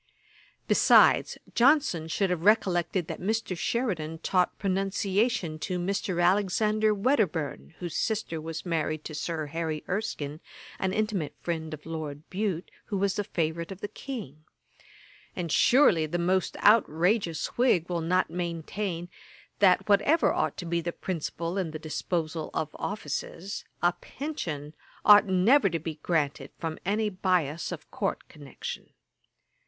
Besides, Johnson should have recollected that Mr. Sheridan taught pronunciation to Mr. Alexander Wedderburne, whose sister was married to Sir Harry Erskine, an intimate friend of Lord Bute, who was the favourite of the King; and surely the most outrageous Whig will not maintain, that, whatever ought to be the principle in the disposal of offices, a pension ought never to be granted from any bias of court connection.